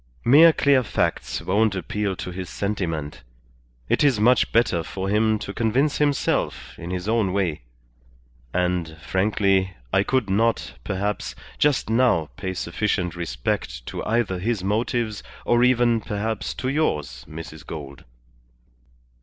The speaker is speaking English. Mere clear facts won't appeal to his sentiment. It is much better for him to convince himself in his own way. And, frankly, I could not, perhaps, just now pay sufficient respect to either his motives or even, perhaps, to yours, Mrs. Gould."